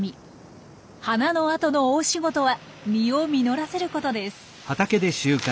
花の後の大仕事は実を実らせることです。